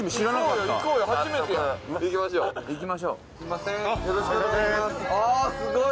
よろしくお願いしますあすごい！